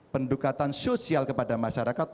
pendekatan sosial kepada masyarakat